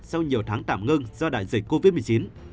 sau nhiều tháng tạm ngưng do đại dịch covid một mươi chín